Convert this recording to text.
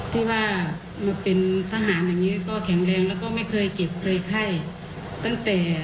ที่ว่ามาเป็นทหารอย่างนี้ก็แข็งแรงแล้วก็ไม่เคยเจ็บเคยไข้ตั้งแต่